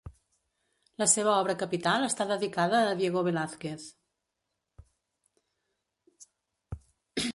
La seva obra capital està dedicada a Diego Velázquez.